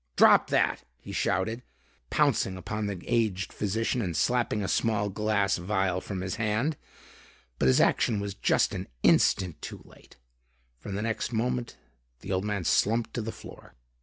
"Drop that!" he shouted, pouncing upon the aged physician and slapping a small glass vial from his hand. But his action was just an instant too late, for the next moment, the old man slumped to the floor.